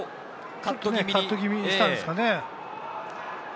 カット気味に来たんですかね。